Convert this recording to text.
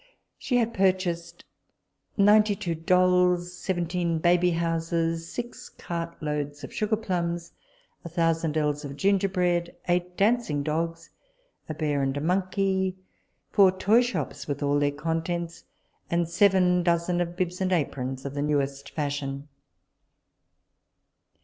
She had purchased ninety two dolls, seventeen baby houses, six cart loads of sugar plumbs, a thousand ells of gingerbread, eight dancing dogs, a bear and a monkey, four toy shops with all their contents, and seven dozen of bibs and aprons of the newest fashion.